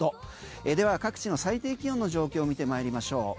では、各地の最低気温の状況を見てまいりましょう。